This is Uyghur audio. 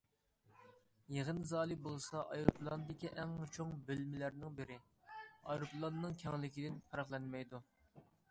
يىغىن زالى بولسا ئايروپىلاندىكى ئەڭ چوڭ بۆلمىلەرنىڭ بىرى، ئايروپىلاننىڭ كەڭلىكىدىن پەرقلەنمەيدۇ.